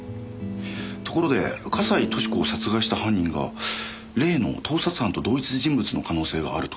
ところで笠井俊子を殺害した犯人が例の盗撮犯と同一人物の可能性があるとか。